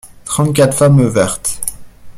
Trente-quatre femmes vertes.